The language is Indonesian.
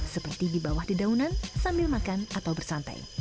seperti di bawah di daunan sambil makan atau bersantai